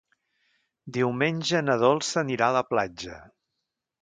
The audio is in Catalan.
Diumenge na Dolça anirà a la platja.